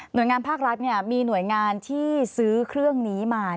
โดยงานภาครัฐมีหน่วยงานที่ซื้อเครื่องนี้มา